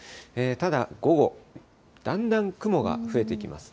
ただ、午後、だんだん雲が増えてきます。